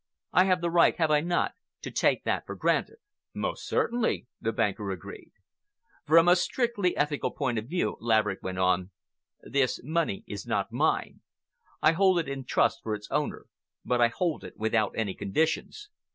I have the right, have I not, to take that for granted?" "Most certainly," the banker agreed. "From a strictly ethical point of view," Laverick went on, "this money is not mine. I hold it in trust for its owner, but I hold it without any conditions.